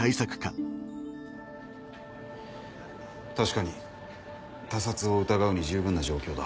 確かに他殺を疑うに十分な状況だ。